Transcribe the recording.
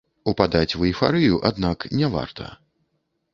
Упадаць у эйфарыю, аднак, не варта.